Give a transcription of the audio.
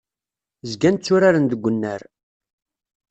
Zgan tturaren deg unnar.